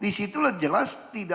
dengan menampilkan kontribusi tambahan